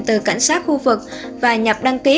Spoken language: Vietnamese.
từ cảnh sát khu vực và nhập đăng ký